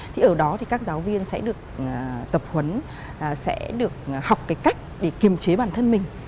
thì ở đó thì các giáo viên sẽ được tập huấn sẽ được học cái cách để kiềm chế bản thân mình